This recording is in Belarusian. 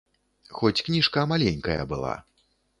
Хоць кніжка маленькая была.